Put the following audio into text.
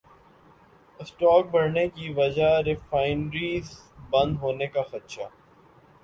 stock بڑھنے کی وجہ سے ریفائنریز بند ہونے کا خدشہ